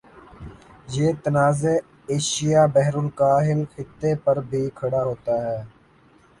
یہ تنازع ایشیا بحرالکاہل خطے پر بھی کھڑا ہوتا ہے